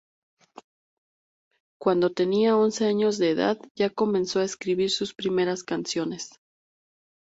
Cuando tenia once años de edad, ya comenzó a escribir sus primeras canciones.